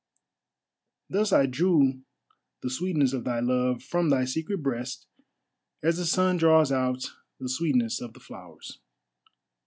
Thus I drew the sweetness of thy love from thy secret breast, as the sun draws out the sweetness of the flowers.